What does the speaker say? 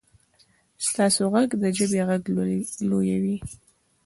ستاسو غږ د ژبې غږ لویوي.